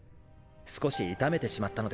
少し痛めてしまったので。